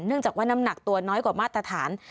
จากว่าน้ำหนักตัวน้อยกว่ามาตรฐาน